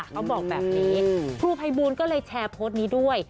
เขาบอกแบบนี้ครูภัยบูลก็เลยแชร์โพสต์นี้ด้วย